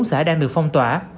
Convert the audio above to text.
bốn xã đang được phong tỏa